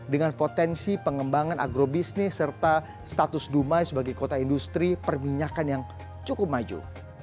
dengan potensi pengembangan agrobisnis serta status dumai sebagai kota industri perminyakan yang cukup maju